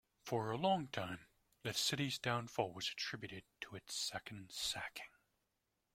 For a long time, the city's downfall was attributed to its second sacking.